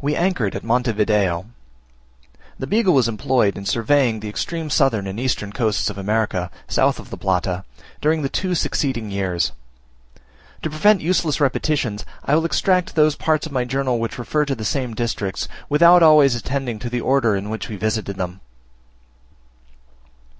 We anchored at Monte Video. The Beagle was employed in surveying the extreme southern and eastern coasts of America, south of the Plata, during the two succeeding years. To prevent useless repetitions, I will extract those parts of my journal which refer to the same districts without always attending to the order in which we visited them.